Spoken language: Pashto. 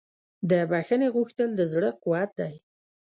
د بښنې غوښتل د زړه قوت دی.